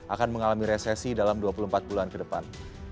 akan mengalami resesi dalam dua puluh empat bulan ke depan